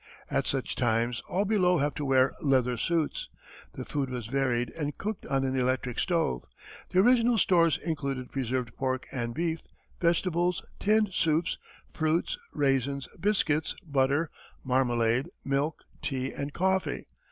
At such times all below have to wear leather suits. The food was varied and cooked on an electric stove. The original stores included preserved pork and beef, vegetables, tinned soups, fruits, raisins, biscuits, butter, marmalade, milk, tea, and coffee.